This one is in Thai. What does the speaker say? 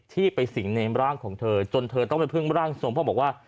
ที่ไปสิงในร่างของเธอจนเธอต้องไปพึ่งร่างทรงเพราะบอกว่า